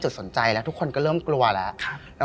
จุดสนใจทุกคนก็เริ่มกลัวแล้ว